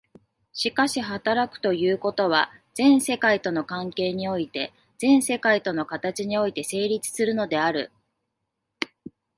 しかし働くということは、全世界との関係において、全世界の形において成立するのである。